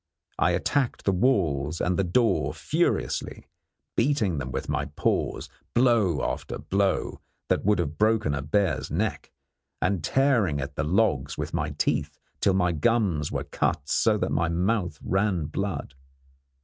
I attacked the walls and the door furiously, beating them with my paws blow after blow that would have broken a bear's neck, and tearing at the logs with my teeth till my gums were cut so that my mouth ran blood.